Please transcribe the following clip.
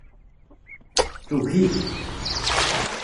Tugi-t.